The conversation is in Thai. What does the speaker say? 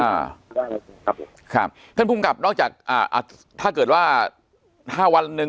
อ่าครับครับเพื่อนผู้กลับนอกจากอ่าอ่าถ้าเกิดว่าห้าวันหนึ่ง